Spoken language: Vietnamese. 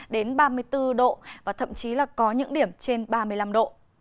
đến ba mươi bốn độ và thậm chí là có những điểm trên ba mươi năm độ